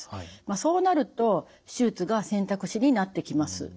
そうなると手術が選択肢になってきます。